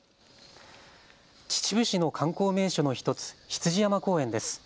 秩父市の観光名所の１つ、羊山公園です。